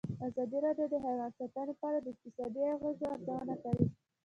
ازادي راډیو د حیوان ساتنه په اړه د اقتصادي اغېزو ارزونه کړې.